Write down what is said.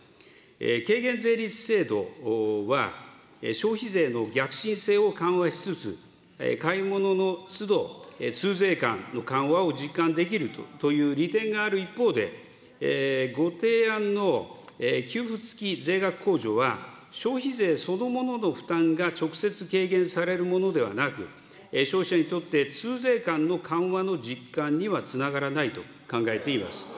軽減税率制度は消費税の逆進性を緩和しつつ、買い物のつど、痛税感の緩和を実感できるという利点がある一方で、ご提案の給付付き税額控除は、消費税そのものの負担が直接軽減されるものではなく、消費者にとって痛税感の緩和の実感にはつながらないと考えています。